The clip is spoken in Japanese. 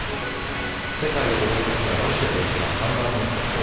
世界を驚かせたロシアで起きた反乱の速報。